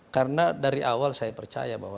karena dari awal saya percaya bahwa